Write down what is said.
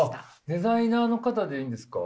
デザイナーの方でいいんですか？